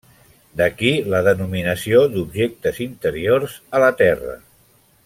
D'aquí la denominació d'objectes interiors a la Terra.